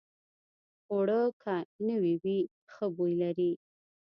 اوړه که نوي وي، ښه بوی لري